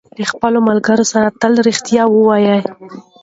له خپلو ملګرو سره تل رښتیا ووایئ.